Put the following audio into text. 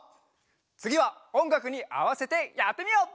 つぎはおんがくにあわせてやってみよう！